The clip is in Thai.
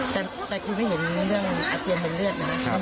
แต่ครูไม่เห็นเรื่องอาเจียนเป็นเลือดนะครับ